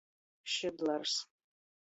Šydlars.